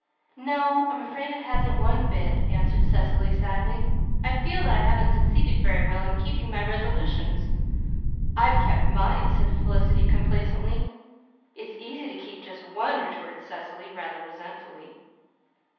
"No, I'm afraid it hasn't one bit," answered Cecily sadly. "I feel that I haven't succeeded very well in keeping my resolutions." "I've kept mine," said Felicity complacently. "It's easy to keep just one," retorted Cecily, rather resentfully.